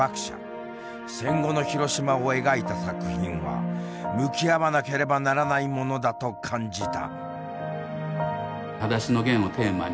戦後の広島を描いた作品は向き合わなければならないものだと感じた。